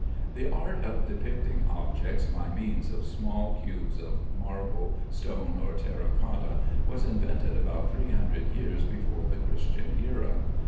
The art of depicting objects by means of small cubes of marble, stone, or terra cotta was invented about 300 years before the Christian era.